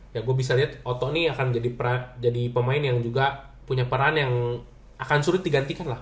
ya gue bisa liat otto nih akan jadi pemain yang juga punya peran yang akan surut digantikan lah